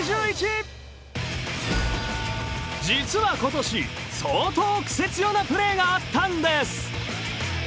実は今年相当クセ強なプレーがあったんです。